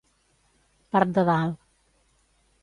Part de dalt.